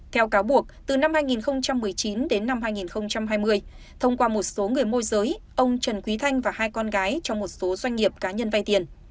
theo cáo buộc từ năm hai nghìn một mươi chín đến năm hai nghìn hai mươi thông qua một số người môi giới ông trần quý thanh và hai con gái trong một số doanh nghiệp cá nhân vay tiền